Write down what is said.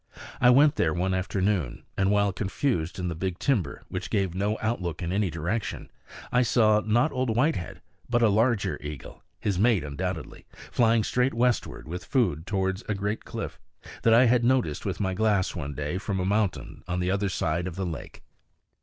I went there one afternoon, and while confused in the big timber, which gave no outlook in any direction, I saw, not Old Whitehead, but a larger eagle, his mate undoubtedly, flying straight westward with food towards a great cliff, that I had noticed with my glass one day from a mountain on the other side of the lake.